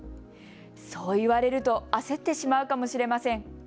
そう言われると焦ってしまうかもれしません。